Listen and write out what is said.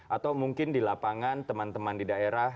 atau mungkin di lapangan teman teman di daerah